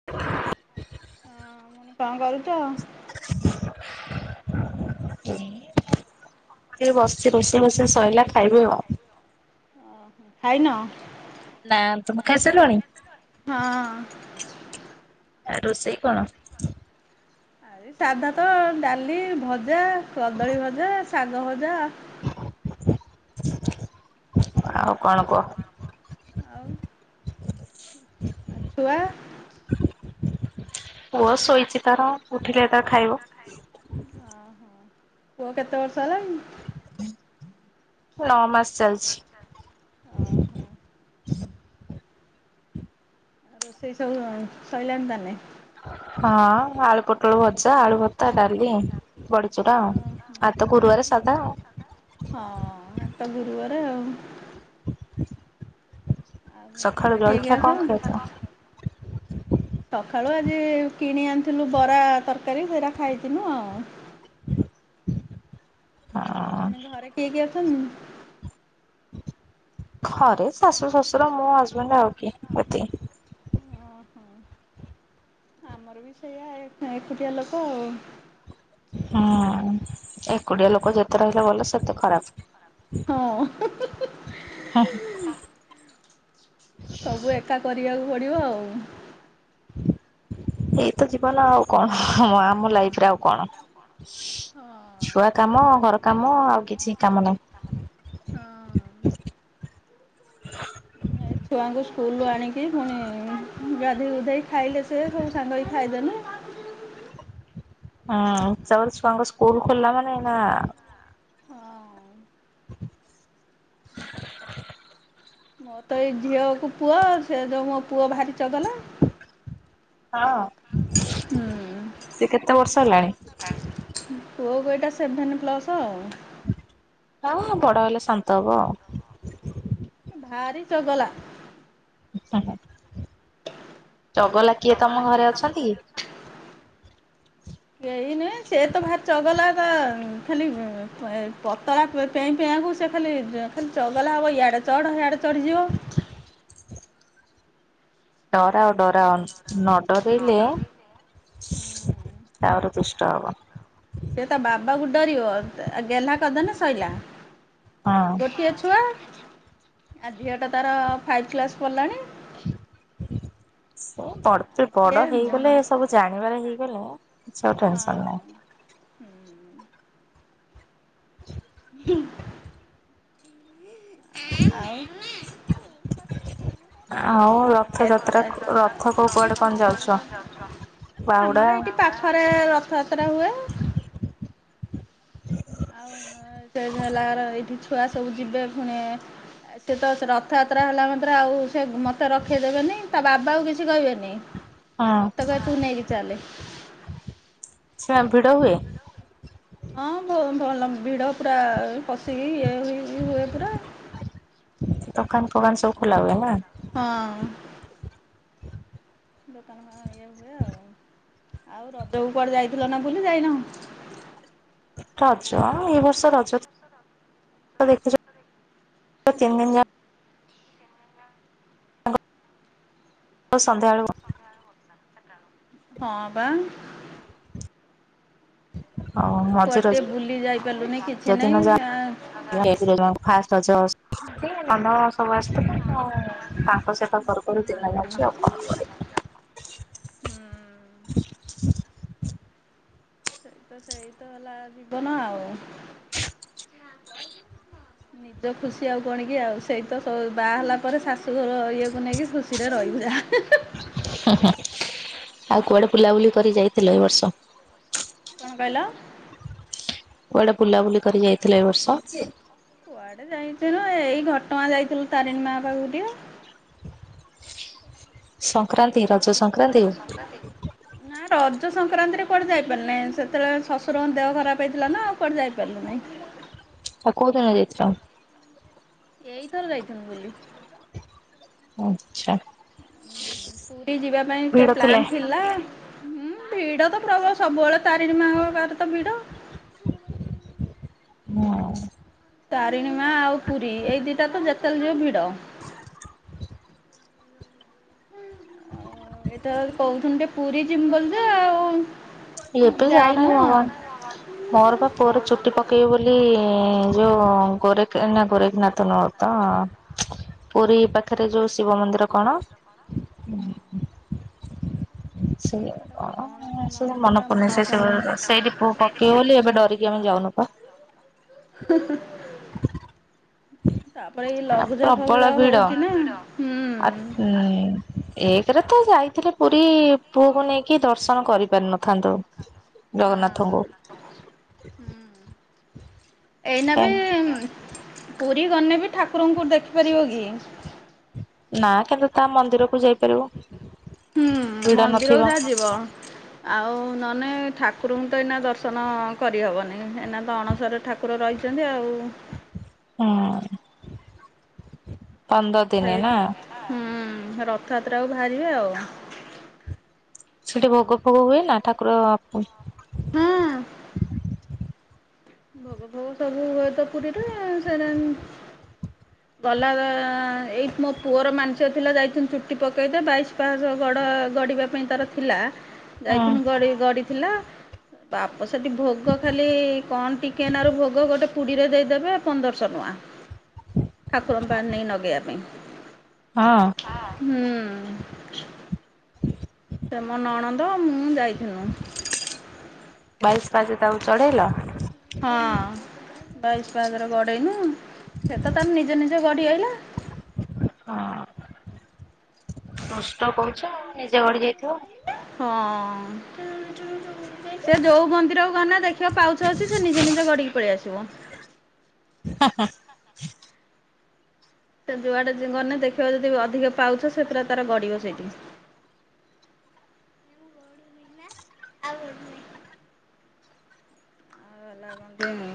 [inaudible] ହଁ ମୁଁ କନି କଁ କରୁଚ? କଁ କରିବି ବସଚି, ରୋଷେଇ ବୋସେଇ ସଇଲା ଖାଇବି ଆଉ। ଖାଇନ? ନା, ତମେ ଖାଇସାଇଲଣି? ହଁ। ଆ ରୋଷେଇ କଣ? ଆରେ ସାଧା ତ ଡାଲି ଭଜା କଦଳୀ ଭଜା ଶାଗ ଭଜା ଆଉ କଣ କୁହ? ଆଉ [inaudible] ଆଉ ଛୁଆ? ପୁଅ ଶୋଇଛି ତାର, ଉଠିଲେ ତାର ଖାଇବ। ହଁ ହଁ, ପୁଅ କେତେ ବର୍ଷ ହେଲାଣି? ନଅ ମାସ ଚାଲିଛି। ଅ ହ। ରୋସେଇ ସବୁ ସଇଲାଣି ତାନେ। ହଁ ଆଳୁ ପୋଟଳ ଭଜା ଆଳୁ ଭର୍ତ୍ତା ଡାଲି। ବଡିଚୁରା ଆଉ ଓହୋ ଆତ ଗୁରୁବାରେ ସାଧା। ହଁ ଆତ ଗୁରୁବାରେ ଆଉ। [inaudible] ଆଉ ସକାଳୁ ଘରେ କିଏ ଜଳଖିଆ କିଏ କଣ ଖାଇଛ? ସବୁ? ସକାଳୁ ଆଜି କିଣି ଆଣିଥିଲୁ ବରା ତରକାରୀ ସେରା ଖାଇଥିନୁ ଆଉ। ହଁ ମାନେ ଘରେ କିଏ କିଏ ଅଛନ୍ତି? ଘରେ ଶାଶୁ ଶ୍ୱଶୁର ମୁଁ ହଜବେଣ୍ଡ ଆଉ କିଏ ଏତିକି। ଆମର ବି ସେଇଆ ଏକୁଟିଆ ଲୋକ ଆଉ। ହୁଁ ଏକୁଟିଆ ଲୋକ ଯେତେ ରହିଲେ ଭଲ ସେତେ ଖରାପ। ହଁ। ସବୁ ଏକା କରିବାକୁ ପଡ଼ିବ ଆଉ। ଏଇତ ଜୀବନ ଆଉ କଣ ଆମ ଲାଇଫ ରେ ଆଉ କଣ। ହଁ। ଛୁଆ କାମ ଘର କାମ ଆଉ କିଛି କାମ ନାହିଁ। ହଁ। ଏ ଛୁଆଙ୍କୁ ସ୍କୁଲୁ ଆଣିକି ପୁଣି ଗାଧେଇ ଗୁଧାଇ କି ଖାଇଲେ ସେ ସବୁ ସାଙ୍ଗ ହେଇ ଖାଇଦେଲୁ। ହଁ ତାପରେ ଛୁଆଙ୍କ ସ୍କୁଲ ଖୋଲିଲା ମାନେ ଏ ନା ହଁ ମୋ ତ ଏଇ ଝିଅ କୁ ପୁଅ ସେ ଯୋଉ ମୋ ପୁଅ ଭାରି ଚଗଲା। ହଁ, ସିଏ କେତେ ବର୍ଷ ହେଲାଣି? ପୁଅ କୁ ଏଟା ସେଭେନ ପ୍ଲସ। ହଁ ହଁ ବଡ ହେଲେ ଶାନ୍ତ ହବ। ଭାରି ଚଗଲା। ହ ହ। [unintelligible] ଚଗଲା କିଏ ତମ ଅଛନ୍ତି କି? ଘରେ ଅଛନ୍ତି? କେହି ନୁହେଁ ସେ ତ ଭାରି ଚଗଲା ଟା ଖାଲି ପତଳା ପେଇଁ ପେଇଁଆକୁ ସେ ଖାଲି ଖାଲି ଚଗଲା ହେବ ଇଆଡ଼େ ଚଢ଼ ସିଆଡ଼େ ଚଢ଼ିଯିବ। ଡରାଅ ଡରାଅ ନ ଡରେଇଲେ ଆହୁରି ଦୁଷ୍ଟ ହବ। ସେ ତା ବାବାକୁ ଡରିବ ଗେହ୍ଲା କରିଦେଲେ ସଇଲା। ହଁ ଗୋଟିଏ ଛୁଆ ଆ ଝିଅ ଟା ତାର ଫାଇପ କ୍ଲାସ ପଢିଲାଣି। ସେ ପଡତେ ଆଉ ସିଏ ବଡ ହଁ। ହେଇଗଲେ ସବୁ ଜାଣିବାର ହେଇଗଲେ କିଛି ଆଉ ଟେନସନ୍ ନାହିଁ। [inaudible] ହୁଁ। [unintelligible] ଆଉ। ଆଉ ରଥଯାତ୍ରାକୁ ରଥକୁ କୁଆଡ଼େ କଣ ଯାଉଛ? ଆମର ବାହୁଡା। ଏଇଠି ପାଖରେ ରଥଯାତ୍ରା ହୁଏ ଆଉ [unintelligible] ଏଇଠି ଛୁଆ ସବୁ ଯିବେ ଫୁଣି। ସେ ତ ରଥଯାତ୍ରା ହେଲା ମାତ୍ରେ ଆଉ ସେ ମତେ ରଖେଇଦେବେନି ତା ବାବା କୁ କିଛି କହିବେନି। ହଁ ମତେ କହେ ତୁ ନେଇକି ଚାଲେ। [unintelligible] ଭିଡ ହୁଏ? ହଁ ହଁ ଭଲ ଭିଡ ପୁରା ପଶିକି ଇଏ ହୁଇ ହୁଏ ପୁରା। ଦୋକାନ୍ ଫୋକାନ୍ ସବୁ ଖୋଲା ହୁଏ ନା? ହଁ। [inaudible] [inaudible] ଆଉ ରଜକୁ କୁଆଡେ ଯାଇଥିଲ ନା ବୁଲି ଯାଇନ? ରଜ ଏ ବର୍ଷ ରଜ [unintelligible] ହଉ ସନ୍ଧ୍ୟାବେଳୁକୁ। ହଁ ପା। ଆଉ ମଝି କୁଆଡ଼େ ଟିକେ ବୁଲି ଯାଇପାରିଲୁନି କିଛି ନାହିଁ। ରଜଦିନ ଯାହା [unintelligible] ଫାଷ୍ଟ ରଜ [unintelligible] ସବୁ ଆସିଥିଲେ ଆଉ ତାଙ୍କ ସେବା ହୁଁ କରୁ-କରୁ ଦିନ ଯାଉଚି ଆଉ କଣ କରିବି। ହୁଁ। [unintelligible] ସେଇତ-ସେଇତ ହେଲା ଜୀବନ ଆଉ। ନିଜ ଖୁସି ଆଉ କଣ କିି ଆଉ ସେଇତ ବାହା ହେଲା ପରେ ଶାଶୁଘର ଇଏକୁ ନେଇକି ଖୁସି ସିରେ ରହିିବା। ହି-ହି ଆଉ କୁଆଡେ ବୁଲାବୁଲି କରି ଯାଇଥିଲେ ଏ ବର୍ଷ? କଣ କହିଲ? କୁଆଡେ ବୁଲାବୁଲି କରି ଯାଇଥିଲେ ଏ ବର୍ଷ? କୁଆଡେ ଯାଇଥିଲୁ ଏଇ ଘଟଗାଁ ଯାଇଥିଲୁ ତାରିଣୀ ମା ପାଖକୁ ଟିକେ। ସଂକ୍ରାନ୍ତି ରଜ ସଂକ୍ରାନ୍ତିକୁ? [inaudible] ନାଁ ର [unintelligible] ରଜ ସଂକ୍ରାନ୍ତି ରେ କୁଆଡେ ଯାଇପାରିଲି ନାଇଁ। ସେତେବେଳେ ଶଶୁରଙ୍କ ଦେହ ଖରାପ ହେଇଥିଲା ନା ଆଉ କୁଆଡେ ଯାଇପାରିଲି ନାଇଁ। ଆଉ କୋଉଦିନ ଯାଇଥିଲ? ଏଇଥର ଯାଇଥାନ୍ତୁ ବୁଲି। ଆଚ୍ଛା। ପୁରୀ ଯିବା ପାଇଁ ଏତେ ଭିଡ ଥିଲେ ପ୍ଲାନ୍ ଥିଲା। ହୁଁ ଭିଡ ତ ପ୍ରବଳ ସବୁବେଳେ ତାରିଣୀ ମାଆଙ୍କ ପଖରେ ତ ଭିଡ। ହଁ। ତାରିଣୀମା ଆଉ ପୁରୀ ଏଇ ଦିଟା ତ ଯେତେବେଳେ ଯିବ ଭିଡ। ଏବେ ତ କହୁଥିଲୁ ଟେ ପୁରୀ ଯିମି ବୋଲି ଯେ ଆଉ। ଏବେ ଯାଅନା ଯାଇନୁ [unintelligible] [inaudible] ମୋର ବା ପୁଅର ଚୁଟି ପକେଇବି ବୋଲି ଯୋଉ ଗୋରେଖ ନା ଗୋରେଖନାଥ ନୁହଁ ତ ପୁରୀ ପାଖେରେ ଯୋଉ ଶିବ ମନ୍ଦିର କଣ? ସେଇ ହେଟା କଣ ସେ [unintelligible] ମନେ ମନ୍ଦିରଟା ପଡ଼ୁନି ମନ ସେ ପଡୁନି। ସେଇଠି ପୁଅ ପକେଇବ ବୋଲି ଏବେ ଡରିକି ଆମେ ଯାଉନୁ ପା। [unintelligible] ତାପରେ ଏ ଲଘୁଚାପ୍ ପ୍ରବଳ ଫଗୁଚାପ୍ ହଉଚି ନା ହୁଁ। ହୁଁ ଏଇ ଥର ତ ଯାଇଥିଲି ପୁରୀ ପୁଅକୁ ନେଇକି ଦର୍ଶନ କରି ପାରିନଥାନ୍ତୁ। ହଁ ହୁଁ। ଏଇନା ବି ପୁରୀ ଗନେ ବି ଠାକୁରଙ୍କୁ ଦେଖିପାରିବ କି? ନା କିନ୍ତୁ ତା ମନ୍ଦିରକୁ ଯାଇପାରିବୁ ହୁଁ ଭିଡ ମନ୍ଦିରକୁ ନଥିବ। ଯାହା ଯିବ। ଆଉ ନହେଲେ ଠାକୁରଙ୍କୁ ତ ଏଇନା ଦର୍ଶନ କରିହେବନି ଏଇନା ତ ଅଣସର ଠାକୁର [inaudible] ରହିଛନ୍ତି ଆଉ ହଁ ହୁଁ ରଥଯାତ୍ରାକୁ ବାହାରିବେ ଆଉ। ସେଠି ଭୋଗ ଫୋଗ ହୁଏ ନା ଠାକୁର ଆପ ହୁ। ଭୋଗ ଭୋଗ ସବୁ ହୁଏତ ପୁରୀରେ ସେଟ ଗଲା ଏଇ ମୋ ପୁଅର ମାଂସିକ ଥିଲା ଯାଇିନ ଚୁଟି ପକେଇଥାନ୍ତା ବାଇଶ ପାଶ ଗଡ଼ ଗଡ଼ିବା ପାଇଁ ତାର ଥିଲା। ଯାଇଥିନୁ ଗ ଗଡ଼ିଥିଲା ବାପ ସେଠି ଭୋଗ ଖାଲି କଣ ଟିକେ ନାଗରୁ ଭୋଗ ଗୋଟେ ପୁଡ଼ିରେ ଦେଇଦେବେ ପନ୍ଦରଶହ ଟଙ୍କା। ଠାକୁରଙ୍କ ପାଖରେ ନେଇ ନଗେଇବା ପାଇଁ ହଁ ହୁଁ। ସେ ମୋ ନଣନ୍ଦ ମୁଁ ଯାଇଥିଲୁ। ବାଇଶ ପାଞ୍ଚ ତାକୁ ଚଢେଇଲ? ହଁ ବାଇଶ ପାହାଜରେ ଗଡେଇନୁ ସେ ତ ତାର ନିଜେ ନିଯେ ଗଡି ଆଇଲା। ହଁ ପୁଷ୍ଟ କହୁଛ ନିଜେ ଗଡି ଯାଇଥିବ। ହଁ। ସେ ଯୋଉ ମନ୍ଦିରକୁ ଗନେ ଦେଖିବ ପାଉଛ ଅଛି ସେ ନିଜେ ନିଜ ଗଡିକି ପଳେଇ ଆସିବ। ହଁ ହଁ ସେ ଯୁଆଟେନେ ଦେଖିବା ଯଦି ଅଧିକ ପାଉଛ ସେ ପିଲା ତାର ଗଡିବ ସେଇଠି ଆଉ [inaudible] କଇଲା ଦଉନୁ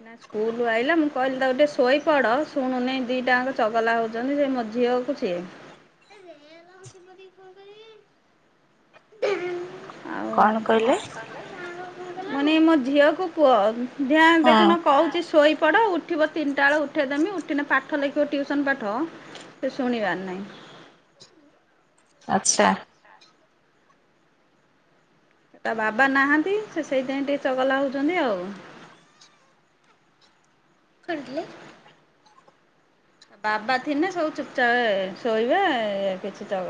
ଏଇନା ସ୍କୁଲ୍ ଆଇିଲା ମୁଁ କହିଲି ତାଟିକେ ଶୋଇପଡ଼ ଶୁଣୁନି ଦିଟାଙ୍କ ଚଗଲା ହଉଚନ୍ତି ସେ ମୋଝିଅ କୁ ସିଏ ସିପତି କଁ କରିବି ଆଉ କଣ କଇଁଲେ ମୁକଇଁନି ମୋ ଝିଅକୁ ପୁଅ ଦିଆଙ୍କେ ହଁ ଦେଖୁନ କହୁଚି ଶୋଇପଡ଼ ଉଠି ଉଠିବ ତିନିଟା ବେଳେ ଉଠାଇଦେମି ଉଠିନେ ପାଠ ଲେଖିବ ଟିଉସନ୍ ପାଠ ସେ ଶୁଣିବାର ନାହିଁ। ଆଚ୍ଛା ତା ବାବା ନାହାନ୍ତି ସେ ସେଇଥିପାଇଁ ଟିକେ ଚଗଲା ହଉଚନ୍ତି ଆଉ। କଣ କଇଁଲେ? ବାବା ଥିନେ ସବୁ ଚୁପଚାପ୍ ହେବେ ଶୋଇବେ କିଛି ଚ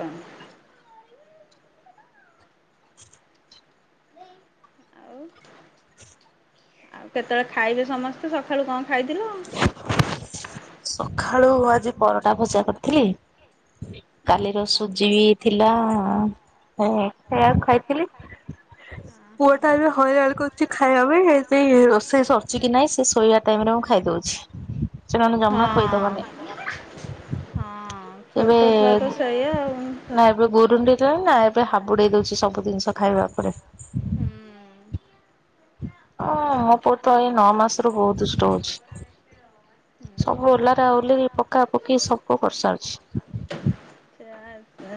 ଆଉ ଆଉ କେତେବେଳେ ଖାଇବେ ସମସ୍ତେ ସକାଳୁ କଣ ଖାଇଥିଲ? ସଖାଳୁ ଆଜି ପରଟା ଭଜା କରିଥିଲି କାଲିର ସୁଜିବି ଥି ଅଁ ସେଆକୁ ଖାଇଥିଲି। ପୁଅଟା ଏବେ ହଇରାଣ କରୁଚି ଖାଇବା ପାଇଁ ହେ ସେ ରୋଷେଇ ସରୁଚିକି ନାଇଁ ସେ ଶୋଇବା ଟାଇମରେ ମୁଁ ଖାଇଦଉଛି ସେମାନେ ଜମା ଖୋଇଦବନି। ହଁ ହଁ ଏବେ ଛୋଟ ଛୁଆ ତ ସେଇଆ ଆଉ। ନାଏବେ ଗୁରୁଡି ତହେଲା ଏବେ ହାବୁଡ଼େଇ ଦଉଚି ସବୁ ଜିନିଷ ଖାଇବା ଉପରେ। ହୁଁ। ହଁ ମୋ ପୁଅତ ଏଇ ନଅ ମାସରୁୁ ବହୁତ ଦୁଷ୍ଟ ହଉଚି। ହୁଁ। ଓଲାର ଓଲିରି ପକା ପକି ସବୁ କରିସାରିଚି। ସେୟା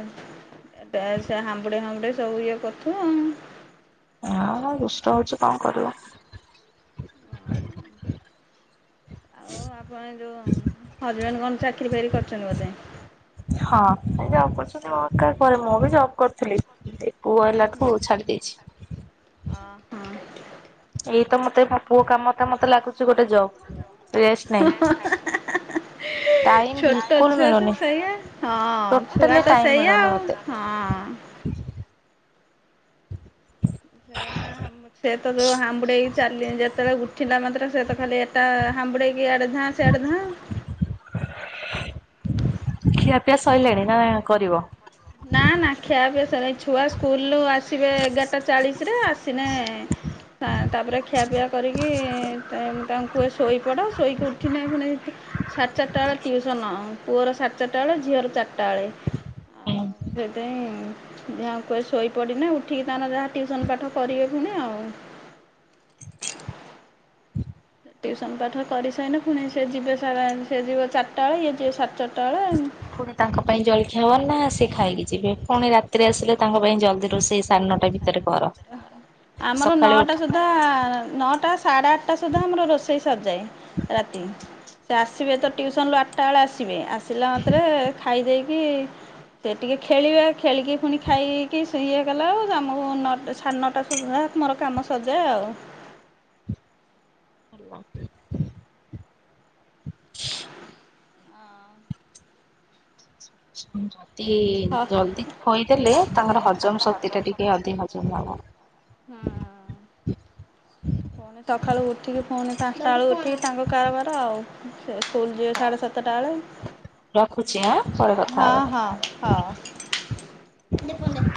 ଆ ସେ ହାମ୍ବୁଡ଼େ ଫାମ୍ବୁଡ଼େ ସବୁ ଇଏ କରୁଥୁବ ଆଉ। ହବା ଦୁଷ୍ଟ ହଉଚି କଣ କରିବୁ। ଆଉ। ହଉ ଆପଣ ଯୋଉ ହଜବେଣ୍ଡେ କଣ ଚାକିରି ଫାକିରି କରିଚନ୍ତି ବୋଧେ? ହଁ ସେ ଜବ୍ କରୁଚନ୍ତି ମୋ ପରେ ମୁଁବି ଜବ୍ କରୁଥିଲି ଏ ପୁଅ ହୁଁ ହୁଁ। ହେଲାଠୁ ଛାଡ଼ି ଦେଇଛି। ଓହୋ। ଏଇତ ମତେ ମୋ ପୁଅ କାମଟା ମତେ ଲାଗୁଚି ଗୋଟେ ଜବ୍ ରେଷ୍ଟ ନାଇଁ। [inaudible] ଛୋଟ ଛୁଆତ ମିଳୁନି। ସେଇଆ ହଁ ଟୋଟାଲି ଛୁଆତ ଟାଇମ ସେଇଆ ମିଳୁନି ଆଉ। ମତେ ହଁ। ସେଏଇନା ହା ସେତ ଯୋଉ ହାୁଡେଇକି ଚାଲି ଯେତେବେଳେ ଉଠିଲା ମାତ୍ର ସେତ ଖାଲି ଏଟା ହମ୍ୁଡେଇ ଇଆଡେଧାଁ ସିଆଡେଧାଁ। ଖିଆ ପିଆ ସଇଲାଣି ନାକରିବ? ନା ନା ଖିଆ ପିଆ ସ ଛୁଆ ସ୍କୁଲରୁ ଆ ଆସିବେ ଏଗାରଟା ଚାଳିଶରେ ଆସିନେ ଖା ତାପରେ ଖିଆପିଆ କରିକି ତାଙ୍କୁ କୁଏ ଶୋଇପଡ଼ ଶୋଇକି ଉଠିନେ ପୁଣି ତା ସାଢେ ଚାରିଟା ବେଳେ ଟିଉସନ୍ ପୁଅର ସାଢ଼େ ଚାରିଟା ବେଳେ ଝିଅର ଚାରିଟା ବେଳେ। ଆଉ ସେଥିପାଇଁ ଦିହାଙ୍କୁ କୁହେ ଶୋଇପଡ଼ିନେ ଉଠିକି ତାଙ୍କର ଯାହା ଟିଉସନ୍ ପାଠ କରିବେ ପୁଣି ଆଉ। ଟିଉସନ୍ ପାଠ କରିସାରିନେ ଫୁଣି ସିଏ ଯିବେ ସାରା ଯିବ ଚାରିଟା ବେଳେ ଇଏ ଯିବ ସାଢ଼େ ଚାରିଟା ବେଳେ। ପୁଣି ତାଙ୍କ ପାଇଁ ଜଳଖିଆବନା ସେ ଖାଇକି ଯିବେ ପୁଣି ରାତିରେ ଆସିଲେ ତାଙ୍କ ପାଇଁ ଜଲ୍ଦି ରୋଷେଇ। ସାଢ଼େ ନଅଟା ଭିତରେ କର। ଆମର ସକାଳୁ ନଅଟା ସୁଧା- ସୁଧା ନଅଟା ସାଢ଼େ ଆଠଟା ସୁଦ୍ଧା ଆମର ରୋଷେଇ ସରିଯାଏ ରାତି- ସେ ଆସିବେ ତ ଟଉସନରୁୁ ଆଠଟା ବେଳେ ଆସିବେ ଆସିଲା ମାତ୍ରେ ଖାଇ ଦେଇକି। ସେ ଟିକେ ଖେଳିବେ ଖେଳିକି ପୁଣି ଖାଇକି ଇଏ କଲା ଆଉ ଆମକୁ ନଅ ସାଢ଼େ ନଅଟା ସୁଧା ମୋର କାମ ସଜା ଆଉ- ଉଠି [inaudible] ତିନି ହଁ ହୁଁ ଜଲ୍ଦି ଖୋଇଦେଲେ ତାଙ୍କର ହଜମ ଶକ୍ତି ଟା ଟିକେ ଅଧିକ ହଜମ ହବ। ହଁ ପୁଣି ସକାଳୁ ଉଠିକି ପୁଣି ପାଞ୍ଚଟା ବେଳକୁ ଉଠିକି ତାଙ୍କ କାରବାର ଆଉ। ସେ ସ୍କୁଲ ଯିବ ସାଢେ ସାତଟା ବେଳେ- ରଖୁଛି ଆଁ ପରେ କଥା ହଁ ହବା। ହଁ ହଁ ଦେ ଫୋନ ଟା -